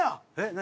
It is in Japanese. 何？